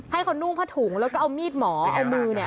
ให้เขานุ่งผ้าถุงแล้วก็เอามีดหมอเอามือเนี่ย